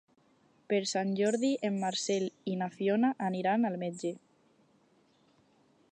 Per Sant Jordi en Marcel i na Fiona aniran al metge.